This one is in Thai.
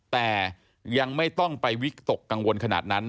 แต่ยังไม่ต้องไปวิกตกกังวลขนาดนั้น